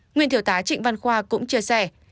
nguyên thiếu tá trịnh văn khoa cũng chia sẻ